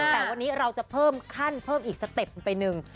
แต่วันนี้เราจะเพิ่มขั้นเพิ่มอีกสเต็ปไปหนึ่ง